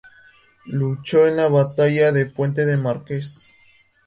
Luchó en la batalla de Puente de Márquez.